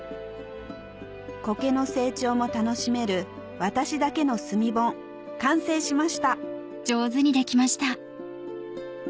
コケの成長も楽しめる私だけの炭盆完成しました！